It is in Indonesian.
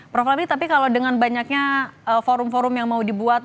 prof lawi tapi kalau dengan banyaknya forum forum yang mau dibuat